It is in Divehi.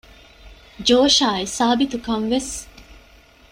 ޖޯޝާއި ސާބިތުކަންވެސް